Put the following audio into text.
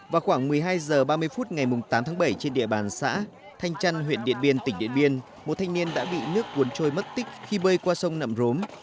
vào khoảng một mươi hai h ba mươi phút ngày tám tháng bảy trên địa bàn xã thanh trăn huyện điện biên tỉnh điện biên một thanh niên đã bị nước cuốn trôi mất tích khi bơi qua sông nậm rốm